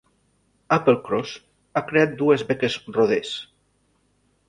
Applecross ha creat dues beques Rhodes.